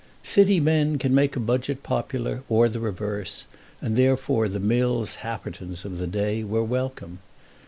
City men can make a budget popular or the reverse, and therefore the Mills Happertons of the day were welcome.